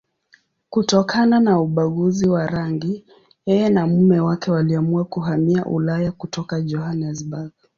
Kutokana na ubaguzi wa rangi, yeye na mume wake waliamua kuhamia Ulaya kutoka Johannesburg.